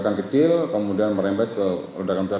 ledakan kecil kemudian merembet ke ledakan besar